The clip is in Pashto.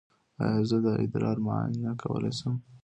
ایا زه د ادرار معاینه کولی شم؟